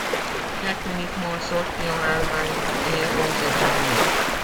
Il est uniquement sorti en Allemagne et aux États-Unis.